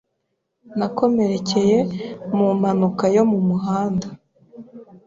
Nakomerekeye mu mpanuka yo mu muhanda.